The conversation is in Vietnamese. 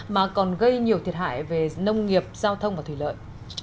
mà còn gây nhiều thiệt hại về nông nghiệp giao thông và thủy lợi